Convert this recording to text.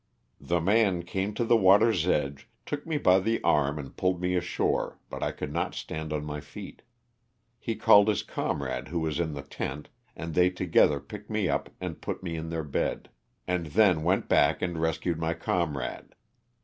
The man came to the water's edge, took me by the arm and pulled me ashore, but I could not stand on my feet. He called his comrade who was in the tent and they together picked me up and put me in their bed, and then went back and rescued my comrade.